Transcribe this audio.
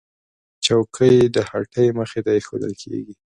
چوکۍ د هټۍ مخې ته ایښودل کېږي.